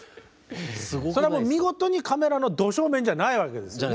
それはもう見事にカメラのど正面じゃないわけですね。